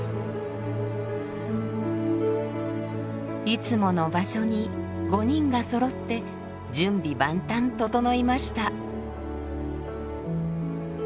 いつもの場所に５人がそろって準備万端整いました。